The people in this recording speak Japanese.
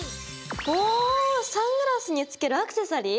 おサングラスにつけるアクセサリー？